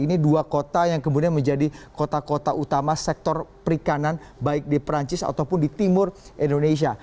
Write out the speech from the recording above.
ini dua kota yang kemudian menjadi kota kota utama sektor perikanan baik di perancis ataupun di timur indonesia